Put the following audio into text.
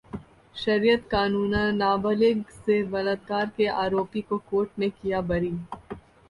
शरीयत कानून: नाबालिग से बलात्कार के आरोपी को कोर्ट ने किया बरी